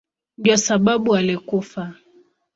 Ndiyo sababu alikufa.